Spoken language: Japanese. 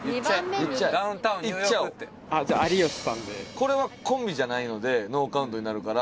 これはコンビじゃないのでノーカウントになるから。